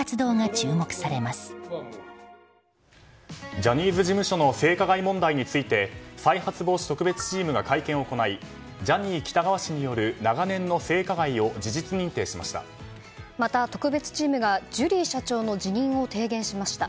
ジャニーズ事務所の性加害問題について再発防止特別チームが会見を行いジャニー喜多川氏による長年の性加害をまた特別チームがジュリー社長の辞任を提言しました。